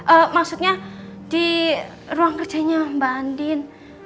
eh maksudnya di ruang kerjanya mbak andin